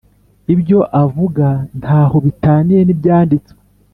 ibyo avuga ntaho bitaniye n' ibyanditswe